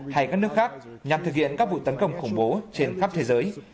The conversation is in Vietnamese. hay các nước khác nhằm thực hiện các vụ tấn công khủng bố trên khắp thế giới